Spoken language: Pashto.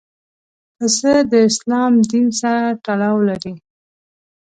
پسه د اسلام دین سره تړاو لري.